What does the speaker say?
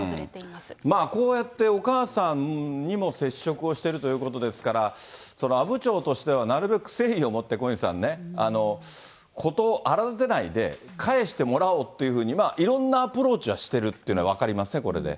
まあこうやって、お母さんにも接触をしているということですから、阿武町としては、なるべく誠意を持って、小西さんね、事を荒立てないで、返してもらおうっていうふうに、いろんなアプローチはしてるっていうのは分かりますね、これで。